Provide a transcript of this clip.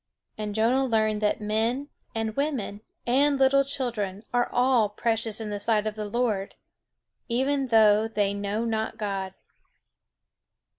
And Jonah learned that men, and women, and little children, are all precious in the sight of the Lord, even though they know not God.